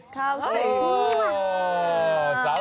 ข้าวสวยดีมาก